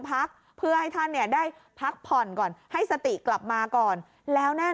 พักเพื่อให้ท่านเนี่ยได้พักผ่อนก่อนให้สติกลับมาก่อนแล้วแน่น